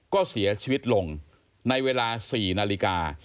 ก็เสียชีวิตลงในเวลา๔นาฬิกา